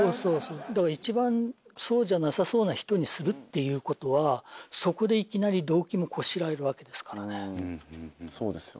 だから一番そうじゃなさそうな人にするっていうことはそこでいきなり動機もこしらえるわけですからね。